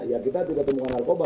ya kita tidak temukan alfoba